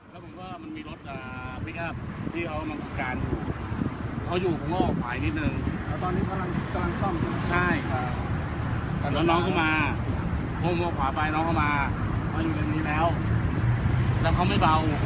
ตำรวจกันล่ะครับ